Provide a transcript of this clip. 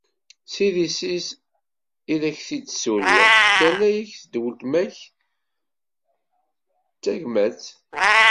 S idis-is i ak-id-tsuli, terna-ak-d weltma-k d tagmat.